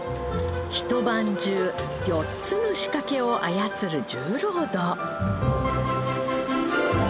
一晩中４つの仕掛けを操る重労働。